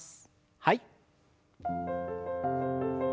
はい。